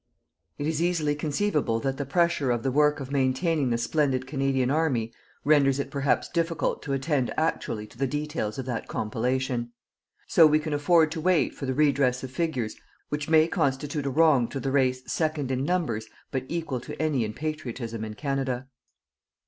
It is easily conceivable that the pressure of the work of maintaining the splendid Canadian army renders it perhaps difficult to attend actually to the details of that compilation. So we can afford to wait for the redress of figures which may constitute a wrong to the race second in numbers but equal to any in patriotism in Canada.